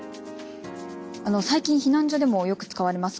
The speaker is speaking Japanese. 最近避難所でもよく使われます